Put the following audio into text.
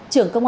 trưởng công an